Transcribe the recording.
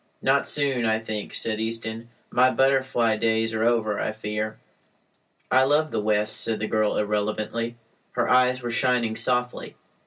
"Not soon, I think," said Easton. "My butterfly days are over, I fear." "I love the West," said the girl irrelevantly. Her eyes were shining softly.